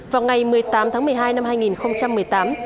vào ngày một mươi tám tháng một mươi hai năm hai nghìn một mươi tám